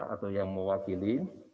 atau yang mewakili